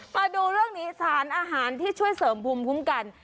มาดูเรื่องนี้สารอาหารที่ช่วยเสริมภูมิคุ้มกัน